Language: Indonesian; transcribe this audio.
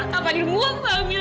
kak fadil muang sama mila